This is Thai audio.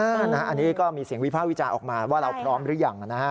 อันนี้ก็มีเสียงวิภาควิจารณ์ออกมาว่าเราพร้อมหรือยังนะฮะ